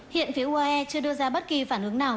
hiện phía uae chưa đưa ra bất kỳ phản ứng nào